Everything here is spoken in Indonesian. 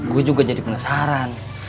gue juga jadi penasaran